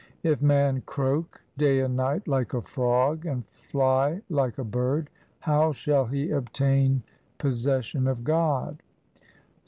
If man croak day and night like a frog and fly like a bird, how shall he obtain possession of God